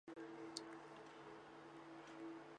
本表是蒙古语方言的列表。